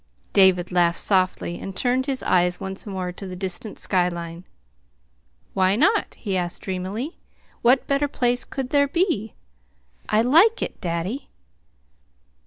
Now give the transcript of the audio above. David laughed softly, and turned his eyes once more to the distant sky line. "Why not?" he asked dreamily. "What better place could there be? I like it, daddy."